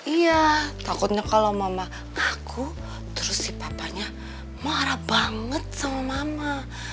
iya takutnya kalau mama kaku terus si papanya marah banget sama mama